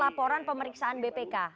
kekhawatiran laporan pemeriksaan bpk